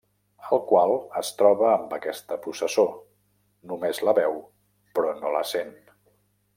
El qual es troba amb aquesta processó, només la veu, però no la sent.